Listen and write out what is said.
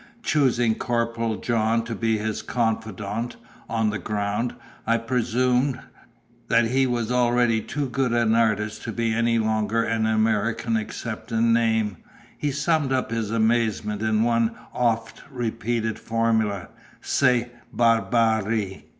Choosing Corporal John to be his confidant (on the ground, I presume, that he was already too good an artist to be any longer an American except in name) he summed up his amazement in one oft repeated formula "C'est barbare!"